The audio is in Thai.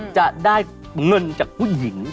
จะได้เงินจากผู้หญิง